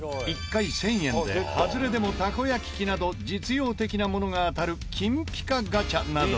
１回１０００円でハズレでもたこ焼き器など実用的なものが当たる金ピカガチャなど。